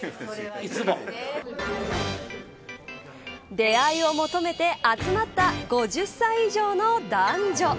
出会いを求めて集まった５０歳以上の男女。